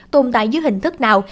tồn tại dưới hình thức nào